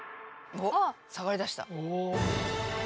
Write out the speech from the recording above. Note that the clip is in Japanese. おっ下がりだした！